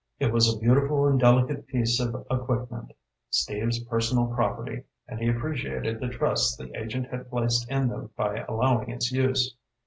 It was a beautiful and delicate piece of equipment, Steve's personal property, and he appreciated the trust the agent had placed in them by allowing its use.